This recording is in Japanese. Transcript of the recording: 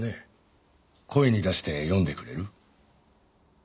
声に出して読んでくれる？